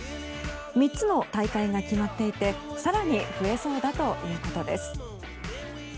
３つの大会が決まっていて更に増えそうだということです。